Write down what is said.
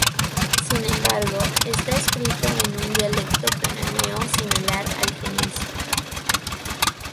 Sin embargo, está escrito en un dialecto cananeo similar al fenicio.